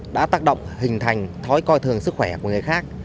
đã tác động hình thành thói coi thường sức khỏe của người khác